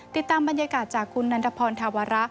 ติดตามบรรยากาศจากคุณนันทพรธาวระ